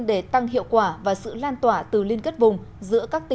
để tăng hiệu quả và sự lan tỏa từ liên kết vùng